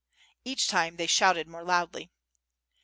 Each time thoy shouted more loudly.